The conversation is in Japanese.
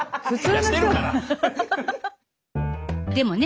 でもね